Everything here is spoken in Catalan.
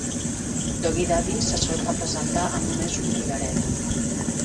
Doggie Daddy se sol representar amb només un collaret.